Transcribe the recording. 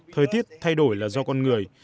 thời tiết thay đổi là do con người